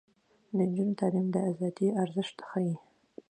د نجونو تعلیم د ازادۍ ارزښت ښيي.